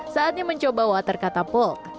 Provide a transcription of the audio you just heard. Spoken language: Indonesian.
saatnya mencoba water catapult